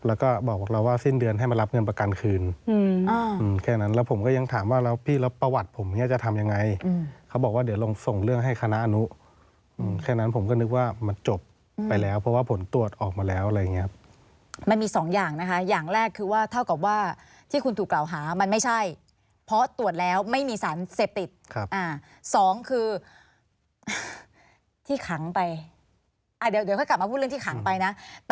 แล้วก็บอกว่าสิ้นเดือนให้มารับเงินประกันคืน